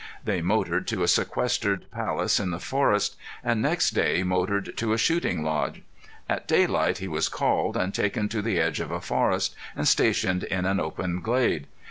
They motored to a sequestered palace in the forest, and next day motored to a shooting lodge. At daylight he was called, and taken to the edge of a forest and stationed in an open glade.